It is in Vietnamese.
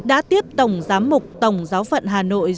đã tiếp tổng giám mục tổng giáo phận hà nội